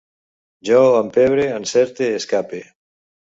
Jo empebre, encerte, escape